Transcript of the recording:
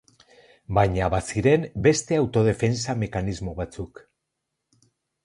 Baina baziren beste autodefentsa mekanismo batzuk.